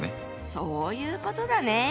そういうことだね！